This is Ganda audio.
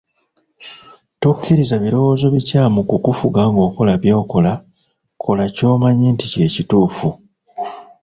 Tokkiriza birowoozo bikyamu kukufuga ng’okola by’okola, kola ky’omanyi nti kye kituufu.